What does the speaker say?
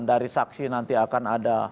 dari saksi nanti akan ada